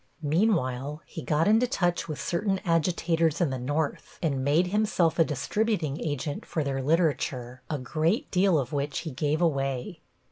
Meanwhile he got into touch with certain agitators in the North and made himself a distributing agent for their literature, a great deal of which he gave away.